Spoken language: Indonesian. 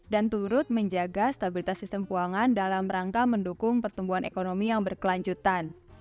dan turut menjaga stabilitas sistem keuangan dalam rangka mendukung pertumbuhan ekonomi yang berkelanjutan